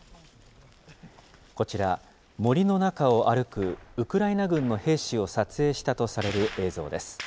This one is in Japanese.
こちら、森の中を歩くウクライナ軍の兵士を撮影したとされる映像です。